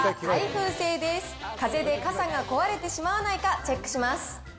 風で傘が壊れてしまわないかチェックします。